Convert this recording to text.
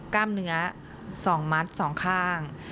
กล้ามเนื้อ๒มัด๒ข้าง